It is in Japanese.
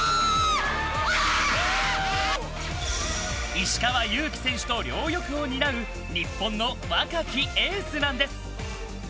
石川祐希選手と両翼を担う日本の若きエースなんです。